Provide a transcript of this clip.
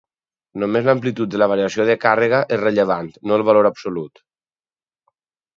Només l'amplitud de la variació de càrrega és rellevant, no el valor absolut.